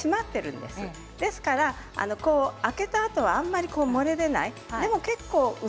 ですから開けたあとは、あんまり漏れ出ません。